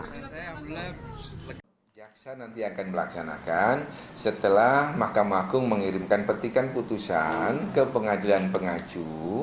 kejaksaan nanti akan melaksanakan setelah mahkamah agung mengirimkan petikan putusan ke pengadilan pengaju